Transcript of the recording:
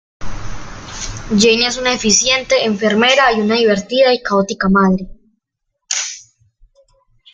Jane es una eficiente enfermera y una divertida y caótica madre.